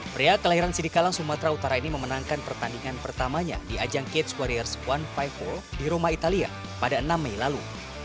pria kelahiran sidikalang sumatera utara ini memenangkan pertandingan pertamanya di ajang catch warriors one lima empat di roma italia pada enam mei lalu